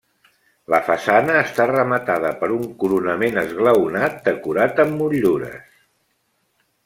La façana està rematada per un coronament esglaonat decorat amb motllures.